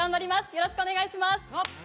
よろしくお願いします！